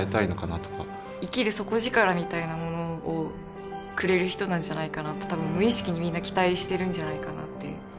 生きる底力みたいなものをくれる人なんじゃないかなって多分無意識にみんな期待してるんじゃないかなって。